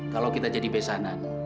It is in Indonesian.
kalau kita jadi besanan